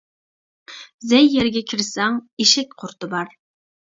زەي يەرگە كىرسەڭ ئېشەك قۇرتى بار.